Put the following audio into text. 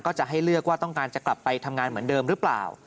จะให้เลือกว่าต้องการจะกลับไปทำงานเหมือนเดิมหรือเปล่า